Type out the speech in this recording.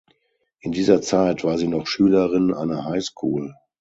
In dieser Zeit war sie noch Schülerin einer High School.